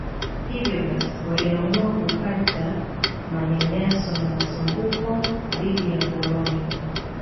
Hivyo basi waliamua kukataa manyanyaso na masumbuko dhidi ya wakoloni